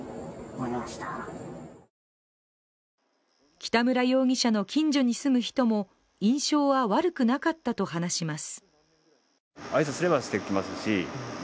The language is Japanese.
北村容疑者の近所に住む人も印象は悪くなかったと話します。